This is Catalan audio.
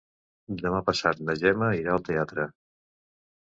Demà passat na Gemma irà al teatre.